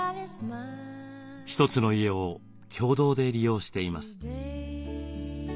一つの家を共同で利用しています。